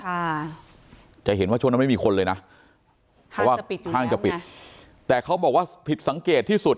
ค่ะจะเห็นว่าช่วงนั้นไม่มีคนเลยนะเพราะว่าปิดห้างจะปิดแต่เขาบอกว่าผิดสังเกตที่สุด